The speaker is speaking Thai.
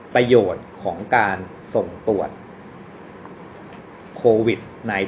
ประโยชน์ของการส่งตรวจโควิด๑๙